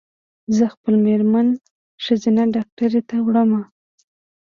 زه خپل مېرمن ښځېنه ډاکټري ته وړم